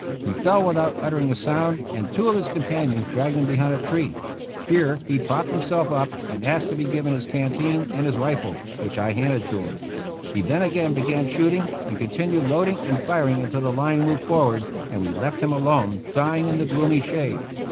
He fell without uttering a sound, and two of his companions dragged him behind a tree. Here he propped himself up and asked to be given his canteen and his rifle, which I handed to him. He then again began shooting, and continued loading and firing until the line moved forward and we left him alone, dying in the gloomy shade.